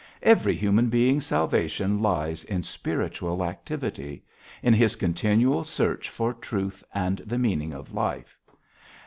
Every human being's salvation lies in spiritual activity in his continual search for truth and the meaning of life.